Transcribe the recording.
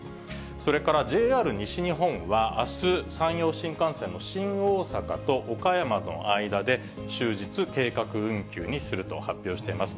それからＪＲ西日本は、あす、山陽新幹線の新大阪と岡山の間で、終日計画運休にすると発表しています。